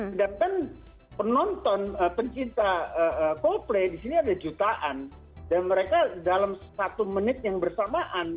sedangkan penonton pencinta coldplay di sini ada jutaan dan mereka dalam satu menit yang bersamaan